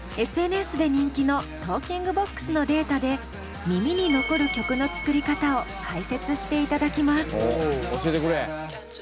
ＳＮＳで人気の「ＴａｌｋｉｎｇＢｏｘ」のデータで耳に残る曲の作り方を解説していただきます。